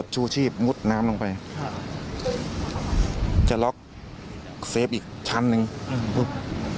ฉันต้องนอนดันผมออกดันออก